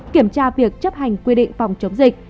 kiểm tra việc chấp hành quy định phòng chống dịch